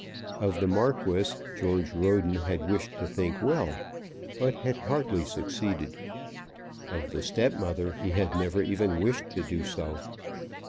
Of the Marquis George Roden had wished to think well, but had hardly succeeded. Of the stepmother he had never even wished to do so.